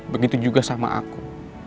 begitu juga sama aku